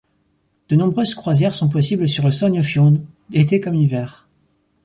De nombreuses croisières sont possibles sur le Sognefjord, été comme hiver.